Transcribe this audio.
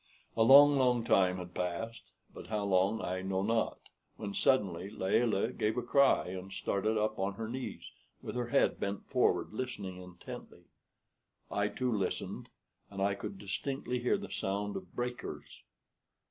A long, long time had passed but how long I know not when suddenly Layelah gave a cry, and started up on her knees, with her head bent forward listening intently. I too listened, and I could distinctly hear the sound of breakers.